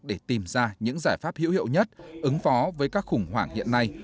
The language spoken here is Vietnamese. để tìm ra những giải pháp hữu hiệu nhất ứng phó với các khủng hoảng hiện nay